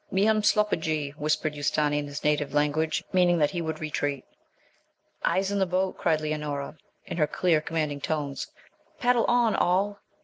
'Me umslopogey,' whispered Ustâni in his native language, meaning that he would retreat. 'Eyes in the boat,' cried Leonora, in her clear, commanding tones; 'paddle on all!'